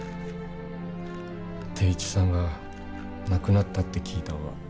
定一さんが亡くなったって聞いたんは。